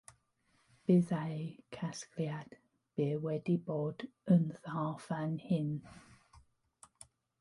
Byddai casgliad byr wedi bod yn dda fan hyn